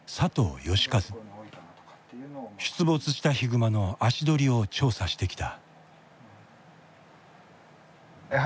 出没したヒグマの足取りを調査してきた。